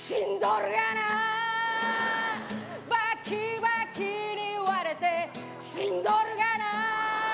「バキバキに割れて死んどるがな」